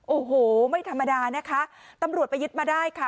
โอ้โหไม่ธรรมดานะคะตำรวจไปยึดมาได้ค่ะ